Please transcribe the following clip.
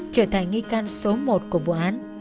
trở thành nghi can số một của vụ án